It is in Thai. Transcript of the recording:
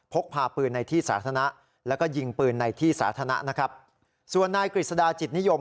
พกพาปืนในที่สาธารณะแล้วก็ยิงปืนในที่สาธารณะนะครับส่วนนายกฤษฎาจิตนิยม